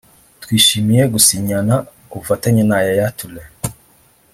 “Twishimiye gusinyana ubufatanye na Yaya Toure